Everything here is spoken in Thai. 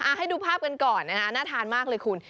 ให้ดูภาพกันก่อนนะคะน่าทานมากเลยคุณ